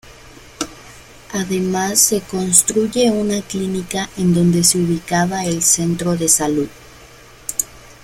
Además se construye una clínica en donde se ubicaba el centro de salud.